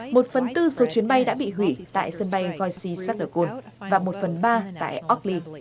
một phần tư số chuyến bay đã bị hủy tại sân bay gauzy sac de cône và một phần ba tại orkly